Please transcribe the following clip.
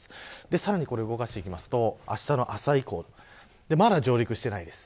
さらに動かしていくとあしたの朝以降まだ上陸していないです。